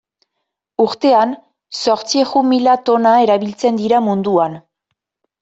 Urtean zortziehun mila tona erabiltzen dira munduan.